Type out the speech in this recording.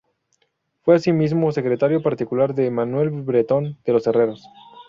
Fue asimismo secretario particular de Manuel Bretón de los Herreros.